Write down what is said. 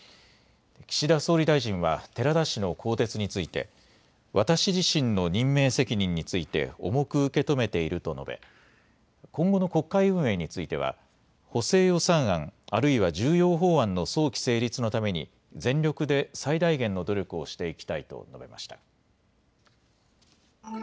岸田総理大臣は寺田氏の更迭について私自身の任命責任について重く受け止めていると述べ今後の国会運営については補正予算案、あるいは重要法案の早期成立のために全力で最大限の努力をしていきたいと述べました。